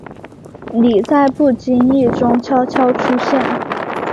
你在不经意中悄悄出现